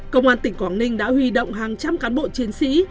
công an tỉnh quảng ninh đã huy động hàng trăm cán bộ chiến sĩ